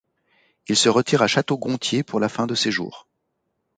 Il se retire à Château-Gontier pour la fin de ses jours.